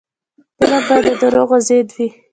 فلم باید د دروغو ضد وي